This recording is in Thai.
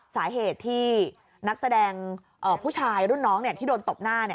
สาเหตุที่นักแสดงผู้ชายรุ่นน้องที่โดนตบหน้า